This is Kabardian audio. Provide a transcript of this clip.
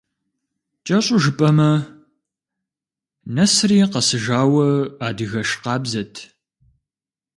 КӀэщӀу жыпӀэмэ, нэсри къэсыжауэ адыгэш къабзэт.